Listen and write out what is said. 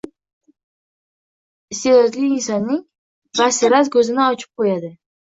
Iste’dodli insonning basirat ko‘zini ochib qo‘yadi.